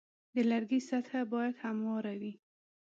د لرګي سطحه باید همواره وي.